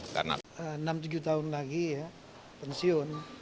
karena enam tujuh tahun lagi ya pensiun